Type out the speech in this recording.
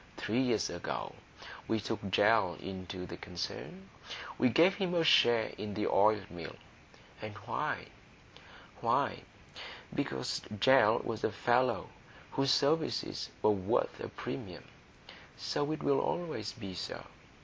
Three years ago we took Gell into the concern; we gave him a share in the oil mill. And why? Why, because Gell was a fellow whose services were worth a premium. So it will always be, sir.